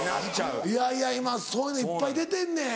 いやいや今そういうのいっぱい出てんねん。